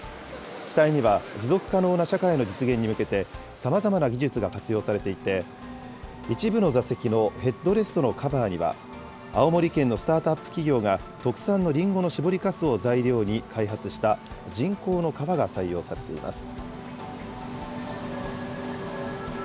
機体には持続可能な社会の実現に向けて、さまざまな技術が活用されていて、一部の座席のヘッドレストのカバーには、青森県のスタートアップ企業が、特産のりんごの搾りかすを材料に開発した、人工の革が採用されています。